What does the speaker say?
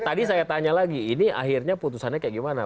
tadi saya tanya lagi ini akhirnya putusannya kayak gimana